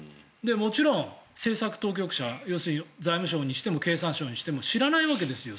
もちろん政策当局者、要するに財務省にしても経産省にしても知らないわけですよ